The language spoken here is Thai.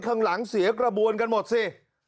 ข้างหลังเสียกระบวนกันหมดสิ